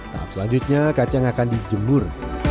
tahap selanjutnya kacang akan dijemur